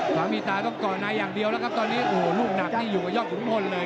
ขวามีตาต้องก่อนายอย่างเดียวแล้วครับตอนนี้โอ้โหลูกหนักนี่อยู่กับยอดขุนพลเลย